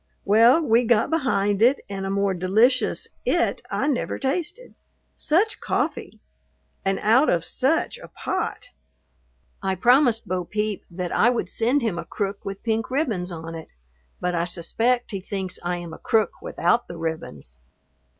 Well, we got behind it, and a more delicious "it" I never tasted. Such coffee! And out of such a pot! I promised Bo Peep that I would send him a crook with pink ribbons on it, but I suspect he thinks I am a crook without the ribbons.